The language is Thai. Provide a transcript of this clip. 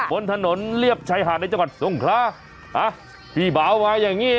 บนถนนเรียบชายหาดในจังหวัดทรงคราอ่ะพี่บ๋ามาอย่างงี้